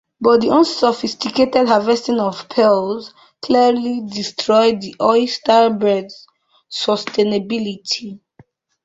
But the unsophisticated harvesting of pearls clearly destroyed the oyster beds’ sustainability.